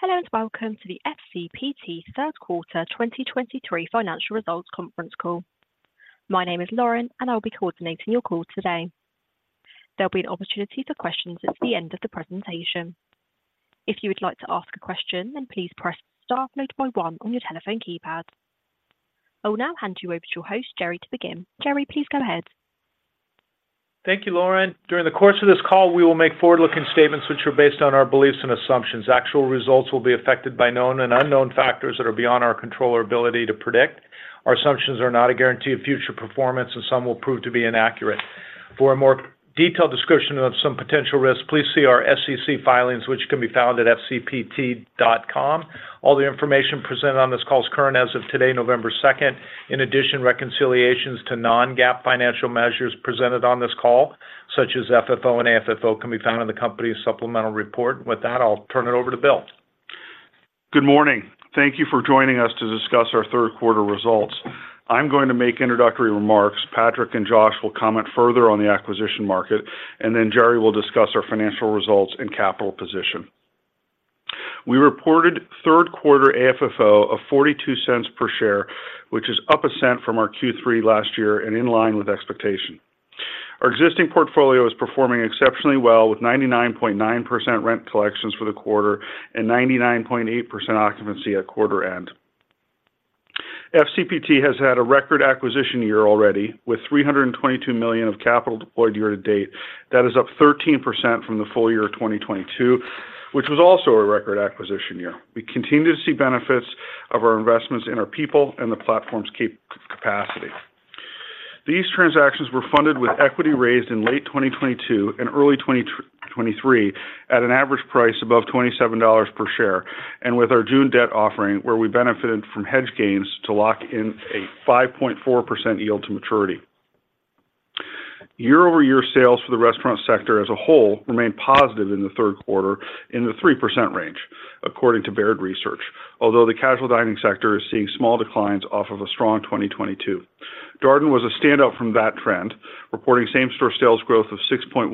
Hello, and welcome to the FCPT third quarter 2023 financial results conference call. My name is Lauren, and I'll be coordinating your call today. There'll be an opportunity for questions at the end of the presentation. If you would like to ask a question, then please press star followed by one on your telephone keypad. I'll now hand you over to your host, Gerry, to begin. Gerry, please go ahead. Thank you, Lauren. During the course of this call, we will make forward-looking statements which are based on our beliefs and assumptions. Actual results will be affected by known and unknown factors that are beyond our control or ability to predict. Our assumptions are not a guarantee of future performance, and some will prove to be inaccurate. For a more detailed description of some potential risks, please see our SEC filings, which can be found at fcpt.com. All the information presented on this call is current as of today, November 2nd. In addition, reconciliations to non-GAAP financial measures presented on this call, such as FFO and AFFO, can be found in the company's supplemental report. With that, I'll turn it over to Bill. Good morning. Thank you for joining us to discuss our third quarter results. I'm going to make introductory remarks. Patrick and Josh will comment further on the acquisition market, and then Gerry will discuss our financial results and capital position. We reported third quarter AFFO of $0.42 per share, which is up $0.01 from our Q3 last year and in line with expectation. Our existing portfolio is performing exceptionally well, with 99.9% rent collections for the quarter and 99.8% occupancy at quarter end. FCPT has had a record acquisition year already, with $322 million of capital deployed year to date. That is up 13% from the full year of 2022, which was also a record acquisition year. We continue to see benefits of our investments in our people and the platform's capacity. These transactions were funded with equity raised in late 2022 and early 2023, at an average price above $27 per share, and with our June debt offering, where we benefited from hedge gains to lock in a 5.4% yield to maturity. Year-over-year sales for the restaurant sector as a whole remained positive in the third quarter in the 3% range, according to Baird Research. Although the casual dining sector is seeing small declines off of a strong 2022. Darden was a standout from that trend, reporting same-store sales growth of 6.1%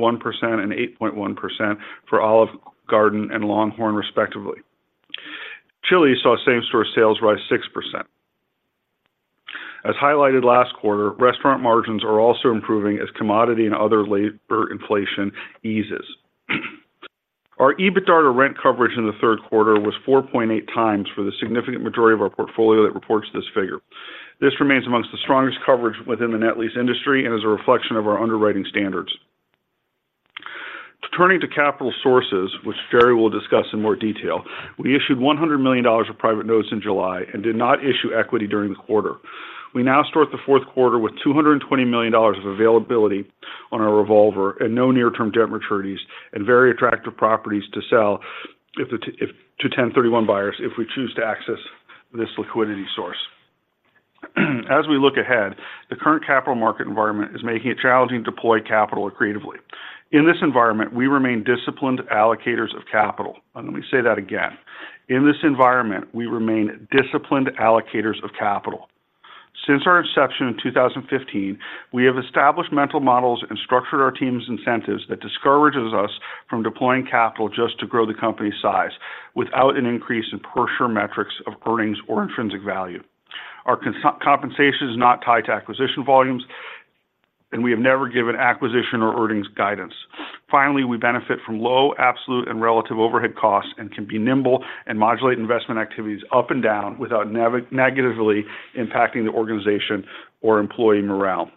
and 8.1% for Olive Garden and LongHorn, respectively. Chili's saw same-store sales rise 6%. As highlighted last quarter, restaurant margins are also improving as commodity and other labor inflation eases. Our EBITDA to rent coverage in the third quarter was 4.8 times for the significant majority of our portfolio that reports this figure. This remains among the strongest coverage within the net lease industry and is a reflection of our underwriting standards. Turning to capital sources, which Gerry will discuss in more detail, we issued $100 million of private notes in July and did not issue equity during the quarter. We now start the fourth quarter with $220 million of availability on our revolver and no near-term debt maturities and very attractive properties to sell to 1031 buyers, if we choose to access this liquidity source. As we look ahead, the current capital market environment is making it challenging to deploy capital creatively. In this environment, we remain disciplined allocators of capital. Let me say that again. In this environment, we remain disciplined allocators of capital. Since our inception in 2015, we have established mental models and structured our team's incentives that discourages us from deploying capital just to grow the company's size without an increase in per share metrics of earnings or intrinsic value. Our compensation is not tied to acquisition volumes, and we have never given acquisition or earnings guidance. Finally, we benefit from low, absolute, and relative overhead costs and can be nimble and modulate investment activities up and down without negatively impacting the organization or employee morale.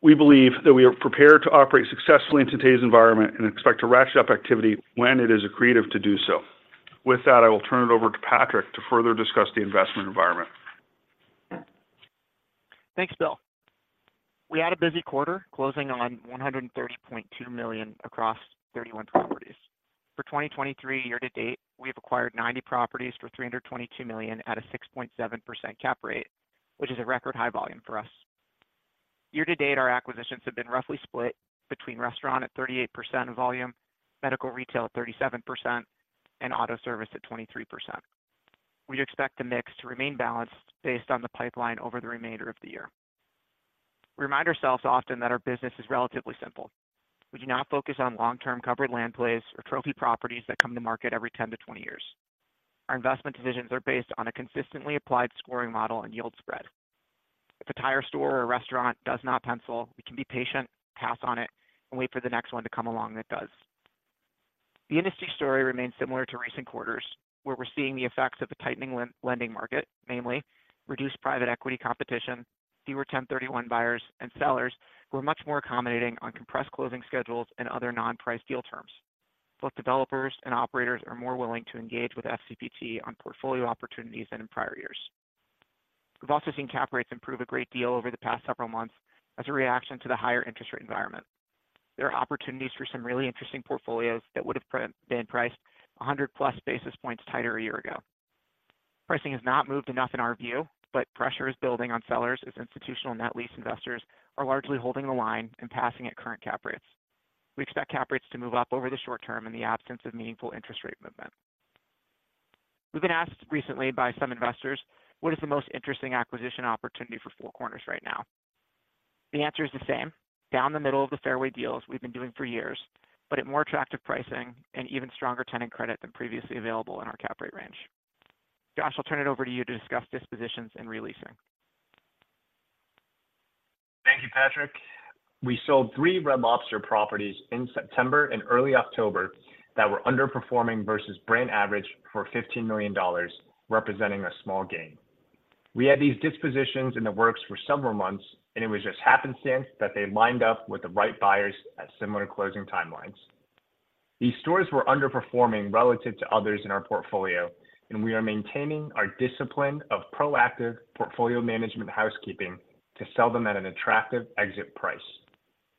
We believe that we are prepared to operate successfully in today's environment and expect to ratchet up activity when it is accretive to do so. With that, I will turn it over to Patrick to further discuss the investment environment. Thanks, Bill. We had a busy quarter, closing on $130.2 million across 31 properties. For 2023 year to date, we have acquired 90 properties for $322 million at a 6.7% cap rate, which is a record-high volume for us. Year to date, our acquisitions have been roughly split between restaurant at 38% volume, medical retail at 37%, and auto service at 23%. We expect the mix to remain balanced based on the pipeline over the remainder of the year. We remind ourselves often that our business is relatively simple. We do not focus on long-term covered land plays or trophy properties that come to market every 10-20 years. Our investment decisions are based on a consistently applied scoring model and yield spread. If a tire store or a restaurant does not pencil, we can be patient, pass on it, and wait for the next one to come along that does. The industry story remains similar to recent quarters, where we're seeing the effects of the tightening lending market, mainly reduced private equity competition, fewer 1031 buyers and sellers, who are much more accommodating on compressed closing schedules and other non-price deal terms. Both developers and operators are more willing to engage with FCPT on portfolio opportunities than in prior years. We've also seen cap rates improve a great deal over the past several months as a reaction to the higher interest rate environment. There are opportunities for some really interesting portfolios that would have been priced 100+ basis points tighter a year ago. Pricing has not moved enough in our view, but pressure is building on sellers as institutional net lease investors are largely holding the line and passing at current cap rates. We expect cap rates to move up over the short term in the absence of meaningful interest rate movement. We've been asked recently by some investors, what is the most interesting acquisition opportunity for Four Corners right now? The answer is the same: down the middle of the fairway deals we've been doing for years, but at more attractive pricing and even stronger tenant credit than previously available in our cap rate range. Josh, I'll turn it over to you to discuss dispositions and re-leasing. Thank you, Patrick. We sold three Red Lobster properties in September and early October that were underperforming versus brand average for $15 million, representing a small gain. We had these dispositions in the works for several months, and it was just happenstance that they lined up with the right buyers at similar closing timelines. These stores were underperforming relative to others in our portfolio, and we are maintaining our discipline of proactive portfolio management housekeeping to sell them at an attractive exit price,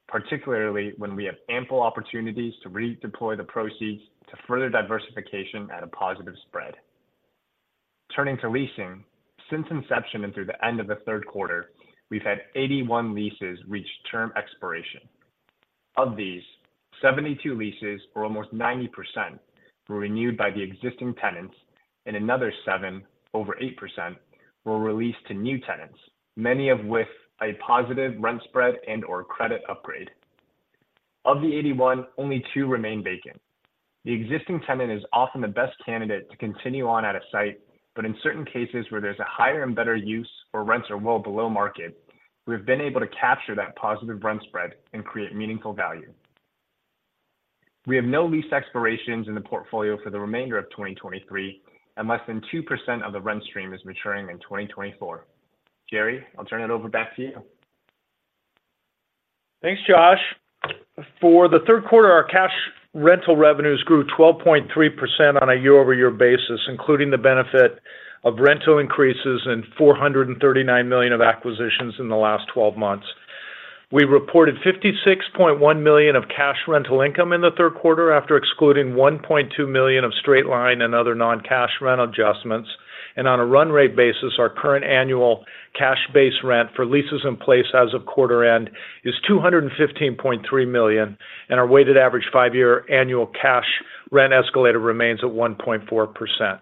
particularly when we have ample opportunities to redeploy the proceeds to further diversification at a positive spread. Turning to leasing, since inception and through the end of the third quarter, we've had 81 leases reach term expiration. Of these, 72 leases, or almost 90%, were renewed by the existing tenants, and another seven, over 8%, were re-leased to new tenants, many of which had a positive rent spread and/or credit upgrade. Of the 81, only two remain vacant. The existing tenant is often the best candidate to continue on at a site, but in certain cases where there's a higher and better use or rents are well below market, we've been able to capture that positive rent spread and create meaningful value. We have no lease expirations in the portfolio for the remainder of 2023, and less than 2% of the rent stream is maturing in 2024. Gerry, I'll turn it over back to you. Thanks, Josh. For the third quarter, our cash rental revenues grew 12.3% on a year-over-year basis, including the benefit of rental increases and $439 million of acquisitions in the last 12 months. We reported $56.1 million of cash rental income in the third quarter, after excluding $1.2 million of straight line and other non-cash rent adjustments. On a run rate basis, our current annual cash base rent for leases in place as of quarter end is $215.3 million, and our weighted average five-year annual cash rent escalator remains at 1.4%.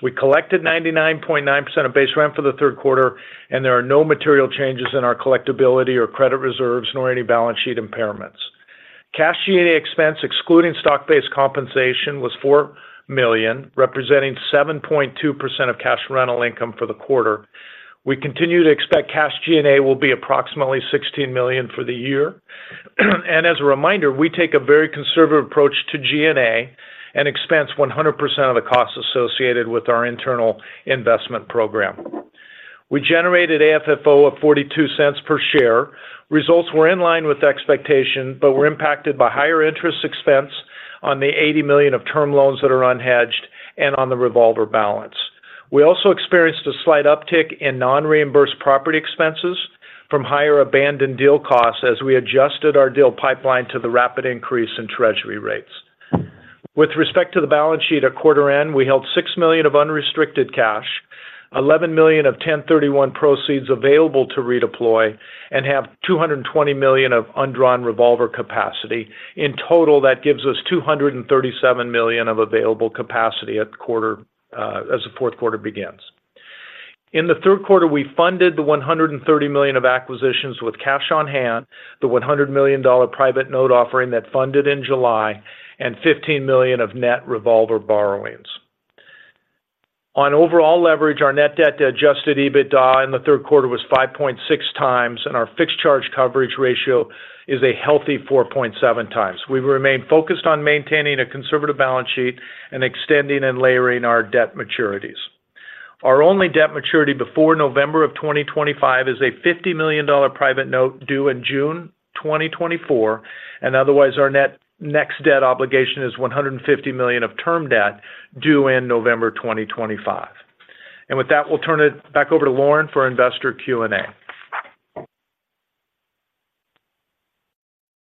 We collected 99.9% of base rent for the third quarter, and there are no material changes in our collectibility or credit reserves, nor any balance sheet impairments. Cash G&A expense, excluding stock-based compensation, was $4 million, representing 7.2% of cash rental income for the quarter. We continue to expect cash G&A will be approximately $16 million for the year. As a reminder, we take a very conservative approach to G&A and expense 100% of the costs associated with our internal investment program. We generated AFFO of $0.42 per share. Results were in line with expectation, but were impacted by higher interest expense on the $80 million of term loans that are unhedged and on the revolver balance. We also experienced a slight uptick in non-reimbursed property expenses from higher abandoned deal costs as we adjusted our deal pipeline to the rapid increase in Treasury rates. With respect to the balance sheet at quarter end, we held $6 million of unrestricted cash, $11 million of 1031 proceeds available to redeploy, and have $220 million of undrawn revolver capacity. In total, that gives us $237 million of available capacity at the quarter, as the fourth quarter begins. In the third quarter, we funded the $130 million of acquisitions with cash on hand, the $100 million private note offering that funded in July, and $15 million of net revolver borrowings. On overall leverage, our net debt to Adjusted EBITDA in the third quarter was 5.6 times, and our fixed charge coverage ratio is a healthy 4.7 times. We've remained focused on maintaining a conservative balance sheet and extending and layering our debt maturities. Our only debt maturity before November 2025 is a $50 million private note due in June 2024, and otherwise, our next debt obligation is $150 million of term debt due in November 2025. And with that, we'll turn it back over to Lauren for investor Q&A.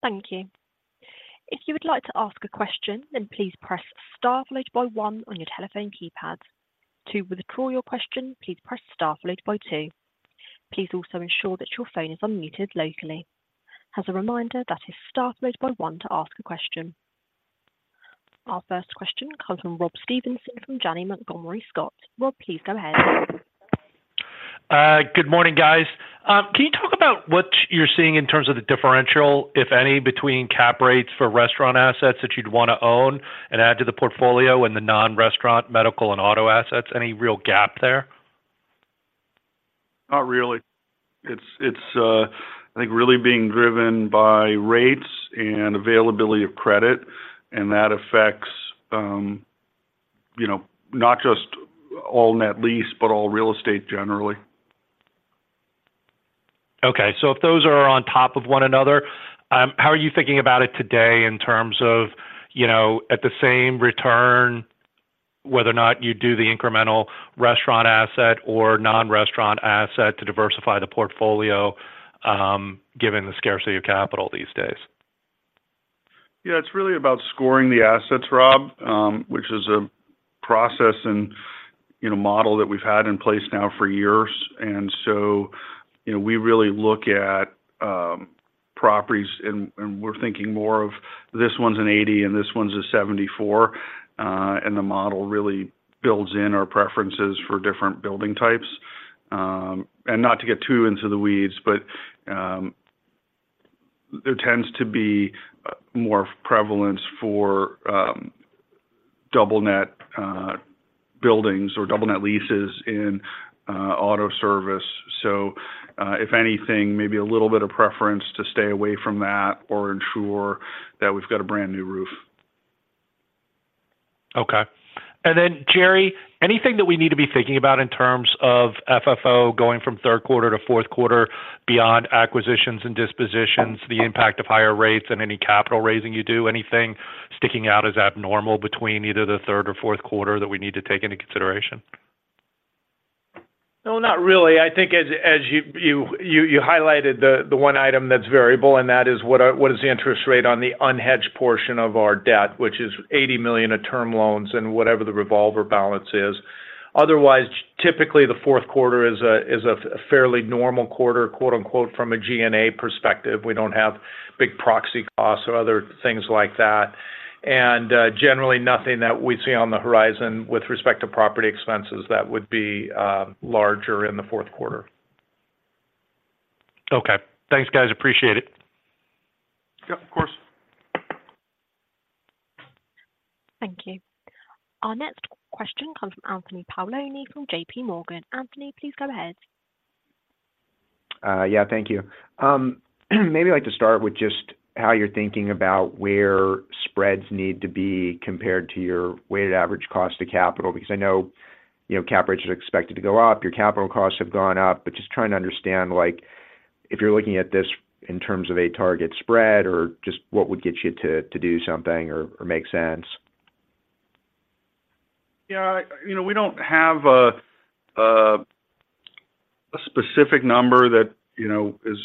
Thank you. If you would like to ask a question, then please press star followed by one on your telephone keypad. To withdraw your question, please press star followed by two. Please also ensure that your phone is unmuted locally. As a reminder, that is star followed by one to ask a question. Our first question comes from Rob Stevenson, from Janney Montgomery Scott. Rob, please go ahead. Good morning, guys. Can you talk about what you're seeing in terms of the differential, if any, between cap rates for restaurant assets that you'd want to own and add to the portfolio and the non-restaurant, medical, and auto assets? Any real gap there? Not really. It's, I think, really being driven by rates and availability of credit, and that affects, you know, not just all net lease, but all real estate generally. Okay. So if those are on top of one another, how are you thinking about it today in terms of, you know, at the same return, whether or not you do the incremental restaurant asset or non-restaurant asset to diversify the portfolio, given the scarcity of capital these days? Yeah, it's really about scoring the assets, Rob, which is a process and, you know, model that we've had in place now for years. And so, you know, we really look at properties, and we're thinking more of this one's an 80 and this one's a 74, and the model really builds in our preferences for different building types. And not to get too into the weeds, but there tends to be more prevalence for double net buildings or double net leases in auto service. So, if anything, maybe a little bit of preference to stay away from that or ensure that we've got a brand-new roof. Okay. And then, Gerry, anything that we need to be thinking about in terms of FFO going from third quarter to fourth quarter beyond acquisitions and dispositions, the impact of higher rates and any capital raising you do? Anything sticking out as abnormal between either the third or fourth quarter that we need to take into consideration? No, not really. I think as you highlighted the one item that's variable, and that is, what is the interest rate on the unhedged portion of our debt, which is $80 million of term loans and whatever the revolver balance is. Otherwise, typically, the fourth quarter is a fairly normal quarter, quote, unquote, from a G&A perspective. We don't have big proxy costs or other things like that, and generally nothing that we see on the horizon with respect to property expenses that would be larger in the fourth quarter. Okay. Thanks, guys. Appreciate it. Yep, of course. Thank you. Our next question comes from Anthony Paolone, from J.P. Morgan. Anthony, please go ahead. Yeah, thank you. Maybe I'd like to start with just how you're thinking about where spreads need to be compared to your weighted average cost of capital. Because I know, you know, cap rates are expected to go up, your capital costs have gone up, but just trying to understand, like, if you're looking at this in terms of a target spread or just what would get you to do something or make sense? Yeah, you know, we don't have a specific number that, you know, is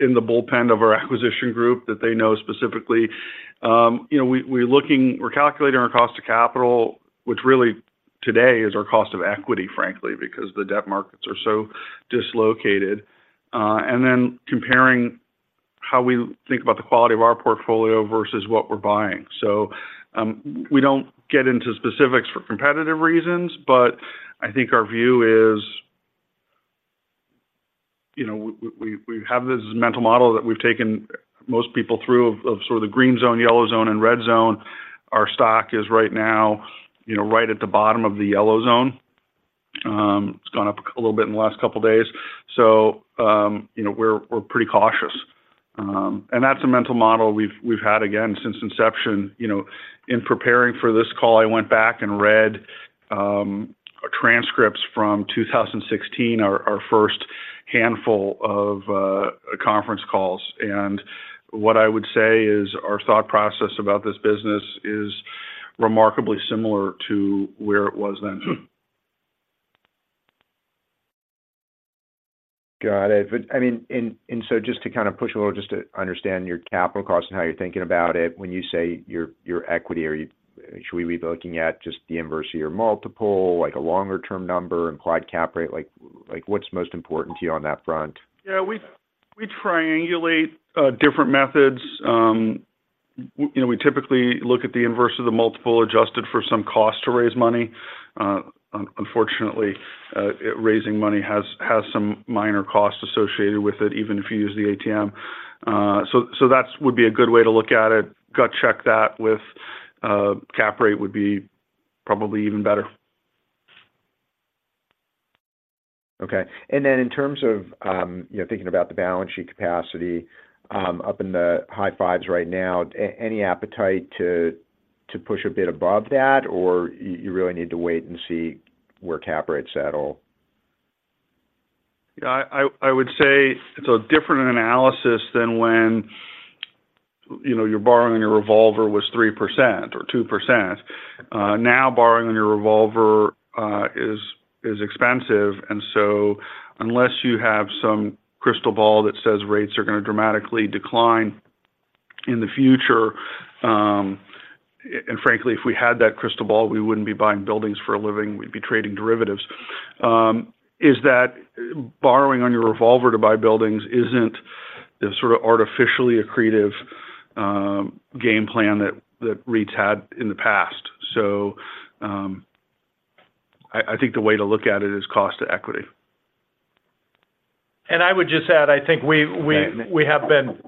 in the bullpen of our acquisition group that they know specifically. You know, we, we're looking-- we're calculating our cost of capital, which really today is our cost of equity, frankly, because the debt markets are so dislocated. And then comparing how we think about the quality of our portfolio versus what we're buying. So, we don't get into specifics for competitive reasons, but I think our view is, you know, we have this mental model that we've taken most people through, of sort of the green zone, yellow zone, and red zone. Our stock is right now, you know, right at the bottom of the yellow zone. It's gone up a little bit in the last couple of days, so, you know, we're pretty cautious. And that's a mental model we've had, again, since inception. You know, in preparing for this call, I went back and read transcripts from 2016, our first handful of conference calls, and what I would say is our thought process about this business is remarkably similar to where it was then. Got it. But I mean, and so just to kind of push a little, just to understand your capital costs and how you're thinking about it, when you say your, your equity, are you, should we be looking at just the inverse of your multiple, like a longer-term number, implied cap rate? Like, like, what's most important to you on that front? Yeah, we triangulate different methods. You know, we typically look at the inverse of the multiple, adjusted for some cost to raise money. Unfortunately, raising money has some minor costs associated with it, even if you use the ATM. So that would be a good way to look at it. Gut check that with cap rate would be probably even better. Okay. And then in terms of, you know, thinking about the balance sheet capacity, up in the high fives right now, any appetite to push a bit above that, or you really need to wait and see where cap rates settle? Yeah, I would say it's a different analysis than when, you know, you're borrowing, your revolver was 3% or 2%. Now, borrowing on your revolver is expensive, and so unless you have some crystal ball that says rates are gonna dramatically decline in the future... And frankly, if we had that crystal ball, we wouldn't be buying buildings for a living, we'd be trading derivatives. Is that borrowing on your revolver to buy buildings isn't the sort of artificially accretive game plan that REITs had in the past. So, I think the way to look at it is cost to equity. And I would just add, I think we- Okay.... we have been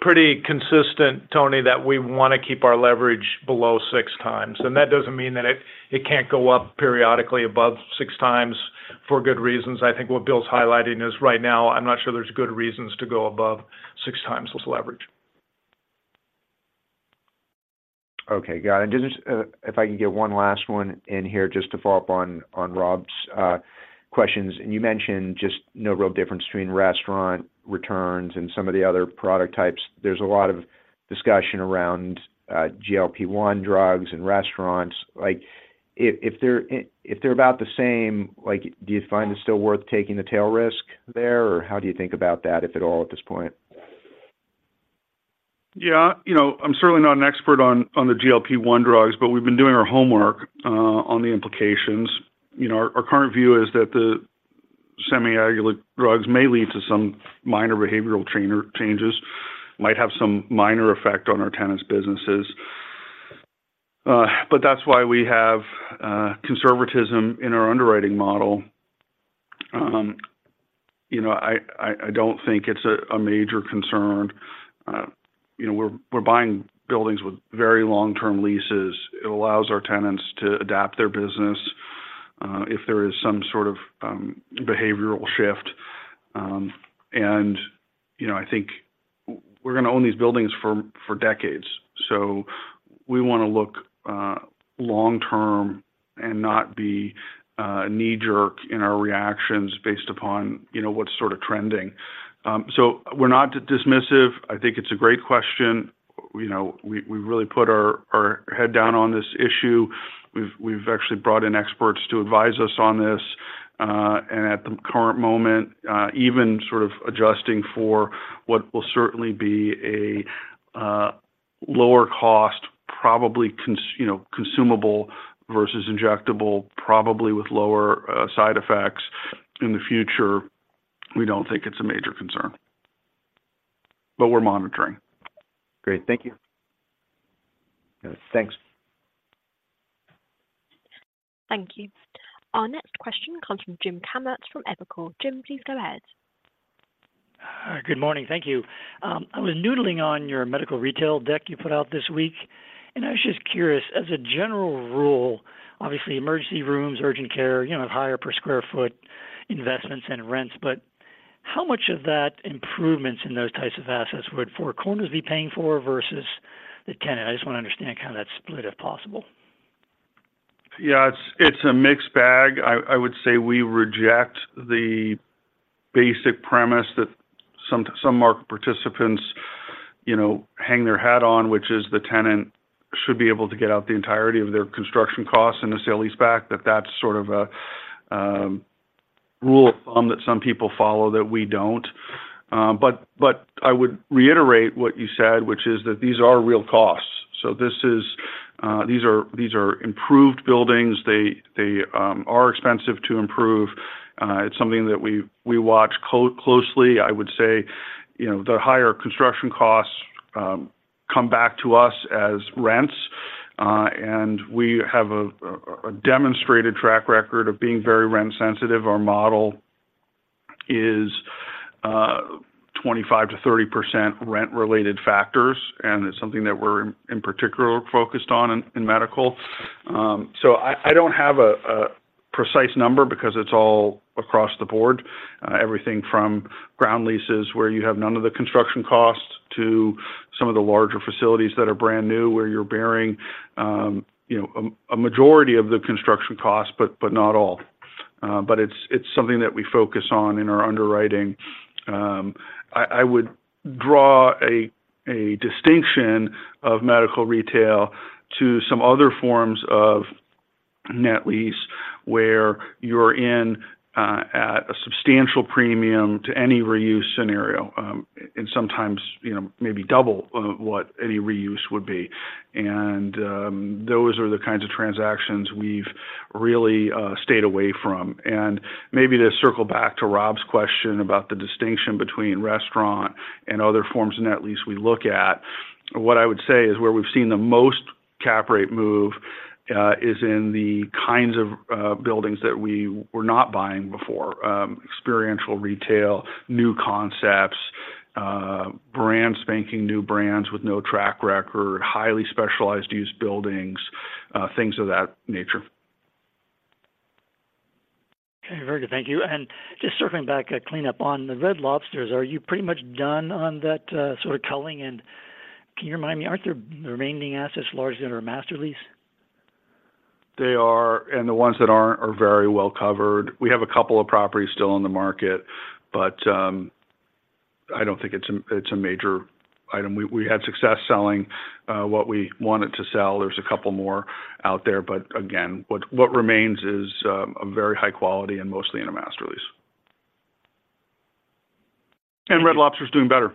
pretty consistent, Tony, that we want to keep our leverage below six times, and that doesn't mean that it can't go up periodically above six times for good reasons. I think what Bill's highlighting is right now, I'm not sure there's good reasons to go above six times this leverage. Okay, got it. And just, if I can get one last one in here, just to follow up on Rob's questions. And you mentioned just no real difference between restaurant returns and some of the other product types. There's a lot of discussion around GLP-1 drugs and restaurants. Like, if they're about the same, like, do you find it's still worth taking the tail risk there, or how do you think about that, if at all, at this point? Yeah, you know, I'm certainly not an expert on the GLP-1 drugs, but we've been doing our homework on the implications. You know, our current view is that the semaglutide drugs may lead to some minor behavioral trend changes, might have some minor effect on our tenants' businesses. But that's why we have conservatism in our underwriting model. You know, I don't think it's a major concern. You know, we're buying buildings with very long-term leases. It allows our tenants to adapt their business if there is some sort of behavioral shift. And, you know, I think we're gonna own these buildings for decades, so we wanna look long term and not be knee-jerk in our reactions based upon you know, what's sort of trending. So we're not dismissive. I think it's a great question. You know, we really put our head down on this issue. We've actually brought in experts to advise us on this, and at the current moment, even sort of adjusting for what will certainly be a lower cost, probably consumable versus injectable, probably with lower side effects in the future, we don't think it's a major concern. But we're monitoring. Great. Thank you. Thanks. Thank you. Our next question comes from James Kammert from Evercore. James, please go ahead. Good morning. Thank you. I was noodling on your medical retail deck you put out this week, and I was just curious, as a general rule, obviously, emergency rooms, urgent care, you know, have higher per square foot investments and rents, but how much of that improvements in those types of assets would Four Corners be paying for versus the tenant? I just wanna understand how that's split, if possible. Yeah, it's a mixed bag. I would say we reject the basic premise that some market participants, you know, hang their hat on, which is the tenant should be able to get out the entirety of their construction costs in a sale leaseback. That's sort of a rule of thumb that some people follow, that we don't. But I would reiterate what you said, which is that these are real costs. So these are improved buildings. They are expensive to improve. It's something that we watch closely. I would say, you know, the higher construction costs come back to us as rents, and we have a demonstrated track record of being very rent sensitive. Our model is 25%-30% rent-related factors, and it's something that we're in particular focused on in medical. So I don't have a precise number because it's all across the board. Everything from ground leases, where you have none of the construction costs, to some of the larger facilities that are brand new, where you're bearing you know a majority of the construction costs, but not all. But it's something that we focus on in our underwriting. I would draw a distinction of medical retail to some other forms of net lease, where you're in at a substantial premium to any reuse scenario, and sometimes you know maybe double what any reuse would be. Those are the kinds of transactions we've really stayed away from. And maybe to circle back to Rob's question about the distinction between restaurant and other forms of net lease we look at, what I would say is where we've seen the most cap rate move is in the kinds of buildings that we were not buying before. Experiential retail, new concepts, brand spanking new brands with no track record, highly specialized use buildings, things of that nature. Okay, very good. Thank you. And just circling back, a cleanup on the Red Lobsters, are you pretty much done on that, sort of culling? And can you remind me, aren't the remaining assets largely under a master lease? They are, and the ones that aren't, are very well covered. We have a couple of properties still on the market, but I don't think it's a major item. We had success selling what we wanted to sell. There's a couple more out there, but again, what remains is a very high quality and mostly in a master lease. And Red Lobster is doing better.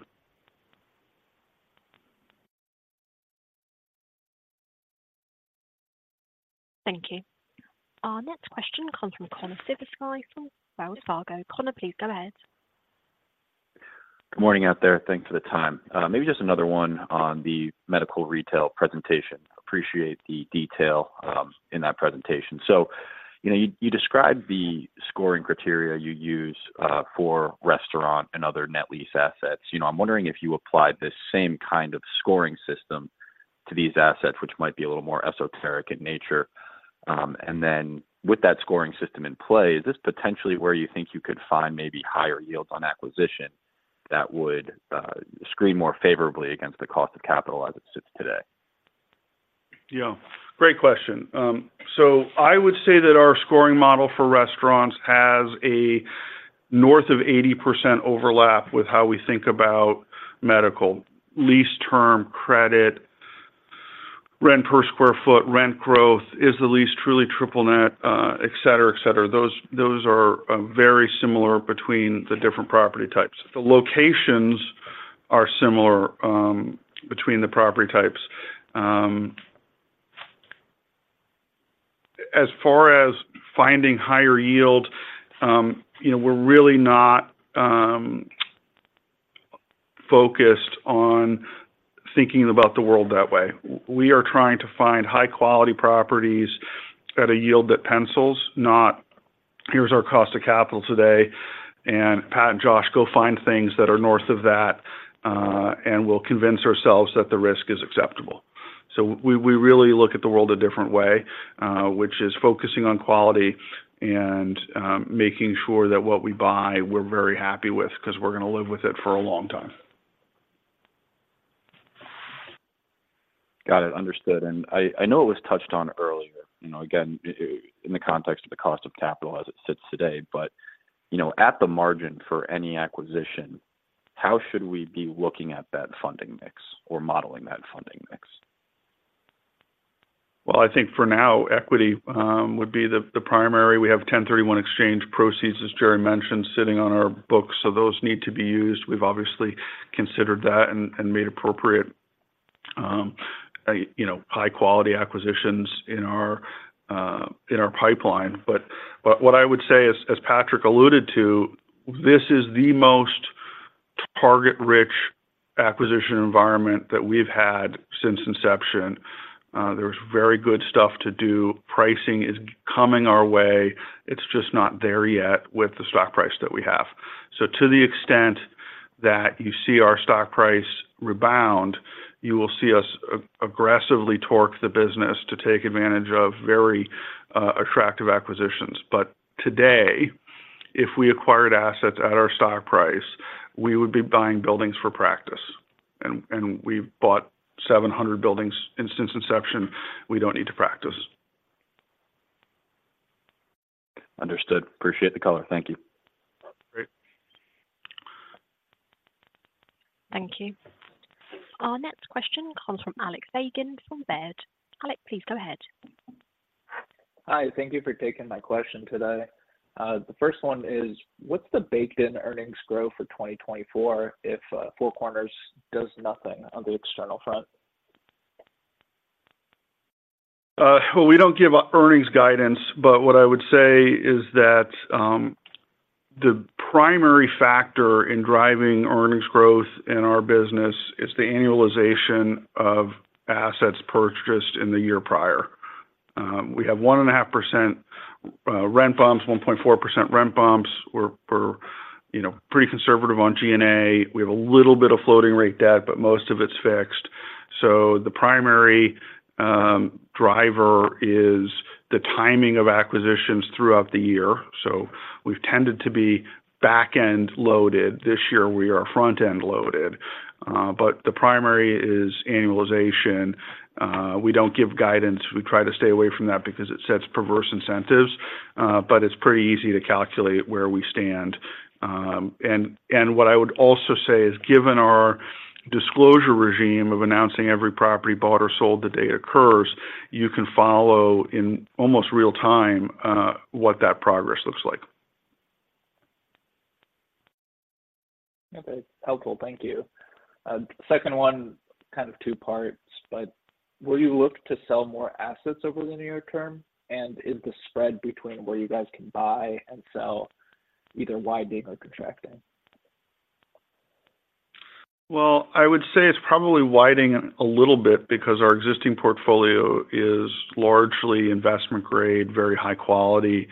Thank you. Our next question comes from Connor Siversky from Wells Fargo. Connor, please go ahead. Good morning out there. Thanks for the time. Maybe just another one on the medical retail presentation. Appreciate the detail in that presentation. So, you know, you described the scoring criteria you use for restaurant and other net lease assets. You know, I'm wondering if you applied this same kind of scoring system to these assets, which might be a little more esoteric in nature. And then with that scoring system in play, is this potentially where you think you could find maybe higher yields on acquisition that would screen more favorably against the cost of capital as it sits today? Yeah, great question. So I would say that our scoring model for restaurants has a north of 80% overlap with how we think about medical lease term credit, rent per sq ft, rent growth, is the lease truly triple net, et cetera, et cetera. Those, those are, very similar between the different property types. The locations are similar, between the property types. As far as finding higher yield, you know, we're really not, focused on thinking about the world that way. We are trying to find high-quality properties at a yield that pencils, not, "Here's our cost of capital today, and Pat and Josh, go find things that are north of that, and we'll convince ourselves that the risk is acceptable." So we really look at the world a different way, which is focusing on quality and making sure that what we buy, we're very happy with, 'cause we're gonna live with it for a long time. Got it, understood. I know it was touched on earlier, you know, again, in the context of the cost of capital as it sits today, but you know, at the margin for any acquisition, how should we be looking at that funding mix or modeling that funding mix? Well, I think for now, equity would be the primary. We have 1031 exchange proceeds, as Gerry mentioned, sitting on our books, so those need to be used. We've obviously considered that and made appropriate, you know, high quality acquisitions in our pipeline. But what I would say is, as Patrick alluded to, this is the most target-rich acquisition environment that we've had since inception. There's very good stuff to do. Pricing is coming our way. It's just not there yet with the stock price that we have. So to the extent that you see our stock price rebound, you will see us aggressively torque the business to take advantage of very attractive acquisitions. But today, if we acquired assets at our stock price, we would be buying buildings for practice, and we've bought 700 buildings since inception. We don't need to practice. Understood. Appreciate the color. Thank you. Great. Thank you. Our next question comes from Alex Fagan from Baird. Alex, please go ahead. Hi, thank you for taking my question today. The first one is, what's the baked-in earnings growth for 2024 if Four Corners does nothing on the external front? Well, we don't give earnings guidance, but what I would say is that the primary factor in driving earnings growth in our business is the annualization of assets purchased in the year prior. We have 1.5% rent bumps, 1.4% rent bumps. We're you know, pretty conservative on G&A. We have a little bit of floating rate debt, but most of it's fixed. So the primary driver is the timing of acquisitions throughout the year. So we've tended to be back-end loaded. This year, we are front-end loaded, but the primary is annualization. We don't give guidance. We try to stay away from that because it sets perverse incentives, but it's pretty easy to calculate where we stand. And what I would also say is, given our disclosure regime of announcing every property bought or sold the day it occurs, you can follow in almost real time what that progress looks like. Okay, helpful. Thank you. Second one, kind of two parts, but will you look to sell more assets over the near term? And is the spread between where you guys can buy and sell either widening or contracting? Well, I would say it's probably widening a little bit because our existing portfolio is largely investment-grade, very high-quality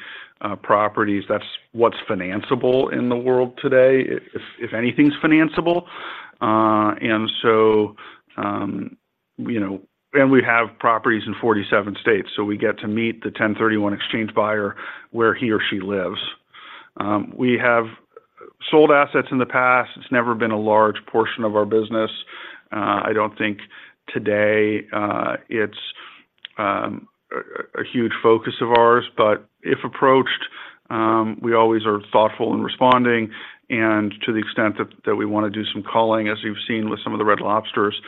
properties. That's what's financiable in the world today, if anything's financiable. And so, you know... And we have properties in 47 states, so we get to meet the 1031 exchange buyer where he or she lives. We have sold assets in the past. It's never been a large portion of our business. I don't think today it's a huge focus of ours, but if approached, we always are thoughtful in responding, and to the extent that we wanna do some culling, as you've seen with some of the Red Lobsters,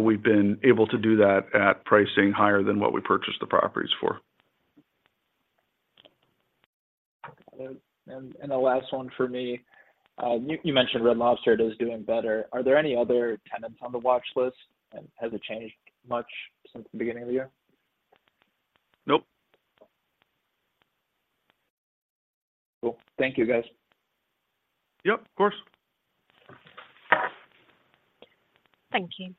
we've been able to do that at pricing higher than what we purchased the properties for. And the last one for me, you mentioned Red Lobster is doing better. Are there any other tenants on the watchlist, and has it changed much since the beginning of the year? Nope. Cool. Thank you, guys. Yep, of course. Thank you.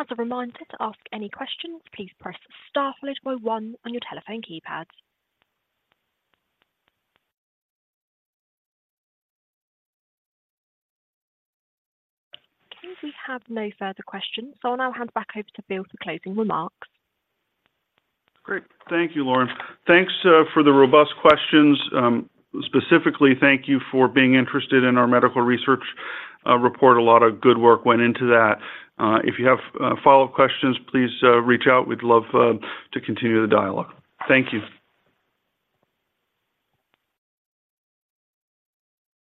As a reminder to ask any questions, please press star followed by one on your telephone keypad. Okay, we have no further questions, so I'll now hand back over to Bill for closing remarks. Great, thank you, Lauren. Thanks for the robust questions. Specifically, thank you for being interested in our medical research report. A lot of good work went into that. If you have follow-up questions, please reach out. We'd love to continue the dialogue. Thank you.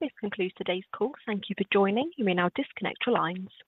This concludes today's call. Thank you for joining. You may now disconnect your lines.